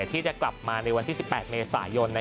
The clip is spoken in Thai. ที่จะกลับมาในวันที่๑๘เมษายน